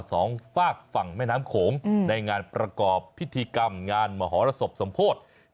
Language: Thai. สองฝากฝั่งแม่น้ำโขงในงานประกอบพิธีกรรมงานมหรสบสมโพธิ